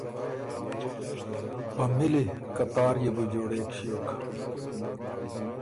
په مِلی قطار يې بو جوړېک ݭیوک